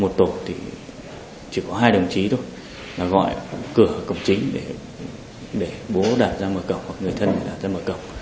một tổ thì chỉ có hai đồng chí thôi gọi cửa cổng chính để bố đạt ra mở cổng hoặc người thân đạt ra mở cổng